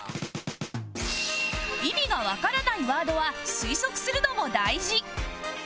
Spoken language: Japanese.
意味がわからないワードは推測するのも大事